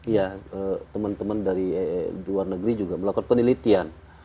ya teman teman dari luar negeri juga melakukan penelitian